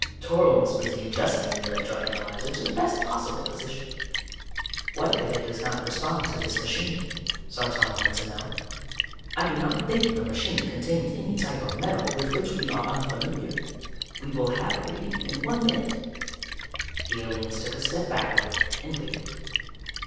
Toryl was busy adjusting the electro analyzer to the best possible position. "What if it does not respond to this machine?" Sartan wanted to know. "_I do not think the machine contains any type of metal with which we are unfamiliar. We will have a reading in one minute._" The aliens took a step backward and waited.